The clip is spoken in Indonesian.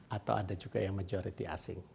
atau ada juga yang majority asing